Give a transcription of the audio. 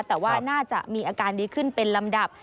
แต่ว่าน่าจะมีอาการดีขึ้นเป็นลำดับ